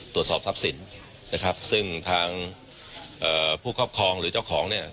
ตรวจสอบทรัพย์สินนะครับซึ่งทางเอ่อผู้ครอบครองหรือเจ้าของเนี่ย